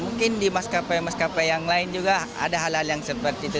mungkin di maskapai maskapai yang lain juga ada hal hal yang seperti itu